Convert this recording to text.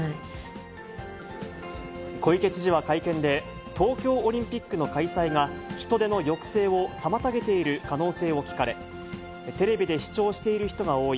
小池知事は会見で、東京オリンピックの開催が、人出の抑制を妨げている可能性を聞かれ、テレビで視聴している人が多い。